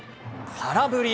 空振り。